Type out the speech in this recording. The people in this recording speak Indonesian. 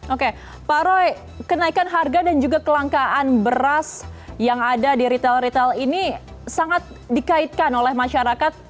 oke pak roy kenaikan harga dan juga kelangkaan beras yang ada di retail retail ini sangat dikaitkan oleh masyarakat